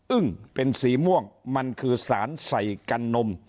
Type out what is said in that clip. อึ้งเป็นสีม่วงมันคือสารใส่กันนม